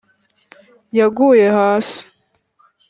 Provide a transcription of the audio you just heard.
yaguye hasi